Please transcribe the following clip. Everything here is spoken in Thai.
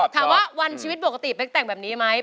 ถามว่าวันชีวิตปกติเป๊กแต่งแบบนี้ไหม